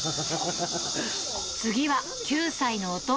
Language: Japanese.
次は９歳の弟。